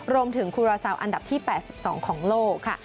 รวมถึงครูลาซาวอันดับที่๘๒ของโลก